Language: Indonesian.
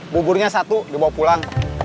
buburnya satu dibawa pulang